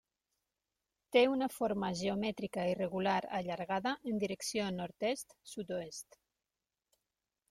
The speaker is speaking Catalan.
Té una forma geomètrica irregular allargada en direcció nord-est sud-oest.